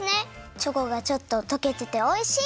チョコがちょっととけてておいしい！